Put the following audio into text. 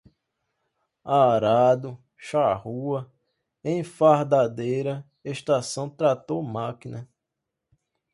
arado, charrua, enfardadeira, estação trator-máquina